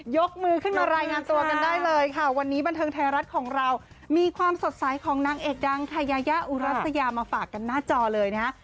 ยกมือขึ้นมารายงานตัวกันได้เลยค่ะวันนี้บันเทิงไทยรัฐของเรามีความสดใสของนางเอกดังค่ะยายาอุรัสยามาฝากกันหน้าจอเลยนะฮะ